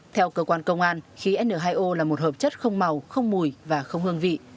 theo cơ quan công an khí n hai o là một hợp chất không màu không mùi và không hương vị